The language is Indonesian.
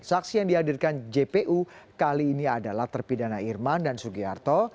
saksi yang dihadirkan jpu kali ini adalah terpidana irman dan sugiharto